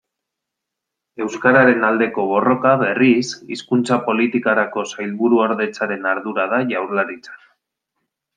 Euskararen aldeko borroka, berriz, Hizkuntza Politikarako Sailburuordetzaren ardura da Jaurlaritzan.